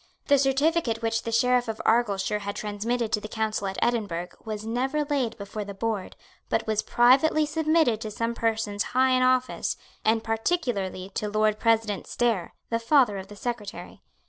The certificate which the Sheriff of Argyleshire had transmitted to the Council at Edinburgh, was never laid before the board, but was privately submitted to some persons high in office, and particularly to Lord President Stair, the father of the Secretary.